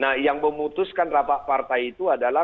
nah yang memutuskan rapat partai itu adalah